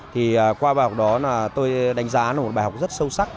thì qua bài học đó là tôi đánh giá là một bài học rất sâu sắc